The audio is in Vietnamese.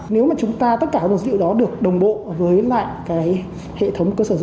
nếu mà chúng ta tất cả nguồn dữ liệu đó được đồng bộ với lại cái hệ thống cơ sở dữ liệu